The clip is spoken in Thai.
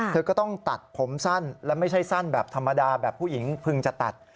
เธอก็ต้องตัดผมสั้นและไม่ใช่สั้นแบบธรรมดาแบบผู้หญิงพึงจะตัด